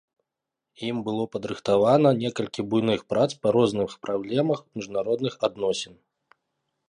Ім было падрыхтавана некалькі буйных прац па розных праблемах міжнародных адносін.